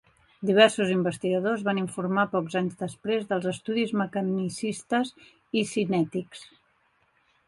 Diversos investigadors van informar pocs anys després dels estudis mecanicistes i cinètics.